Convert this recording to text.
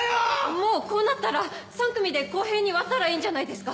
もうこうなったら３組で公平に割ったらいいんじゃないですか？